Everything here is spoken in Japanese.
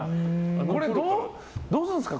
これどうするんですか？